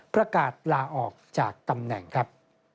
ประกาศลาออกจากตำแหน่งครับ